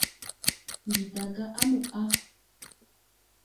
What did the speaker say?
Ndi da gá á mo a.